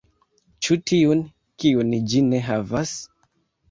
Ĉu tiun, kiun ĝi ne havas?